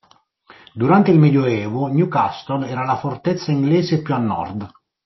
Durante il Medioevo, Newcastle era la fortezza inglese più a nord.